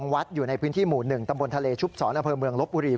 วัดอยู่ในพื้นที่หมู่๑ตำบลทะเลชุบศรอำเภอเมืองลบบุรี